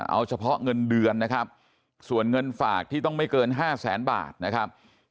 เอาเฉพาะเงินเดือนนะครับส่วนเงินฝากที่ต้องไม่เกิน๕แสนบาทนะครับ